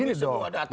ini semua data